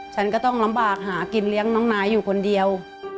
ฉันก็ต้องลำบากหากินเลี้ยงน้องนายอยู่คนเดียว